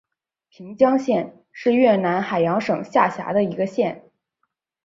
平江县是越南海阳省下辖的一个县。